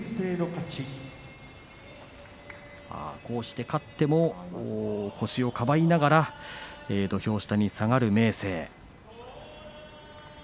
こうして勝っても腰をかばいながら土俵下に下がる明生。